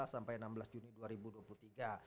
lima belas sampai enam belas juni dua ribu dua puluh tiga